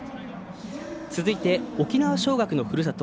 続いて、沖縄尚学のふるさと